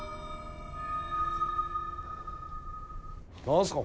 何すか？